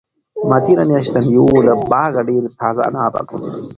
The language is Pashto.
ما تېره میاشت د مېوو له باغه ډېر تازه انار راټول کړل.